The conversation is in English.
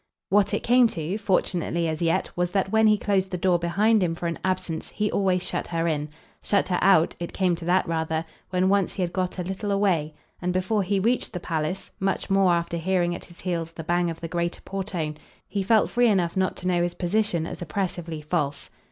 What it came to, fortunately, as yet, was that when he closed the door behind him for an absence he always shut her in. Shut her out it came to that rather, when once he had got a little away; and before he reached the palace, much more after hearing at his heels the bang of the greater portone, he felt free enough not to know his position as oppressively false.